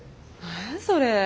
何やそれ。